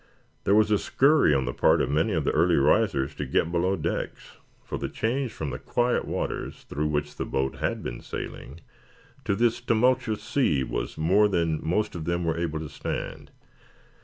There was a scurry on the part of many of the early risers to get below decks, for the change from the quiet waters through which the boat had been sailing to this tumultuous sea was more than most of them were able to stand.